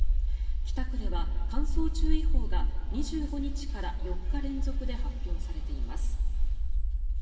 北区では乾燥注意報が２５日から４日連続で発表されています。